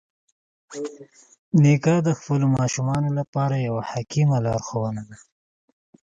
نیکه د خپلو ماشومانو لپاره یوه حکیمه لارښوونه ده.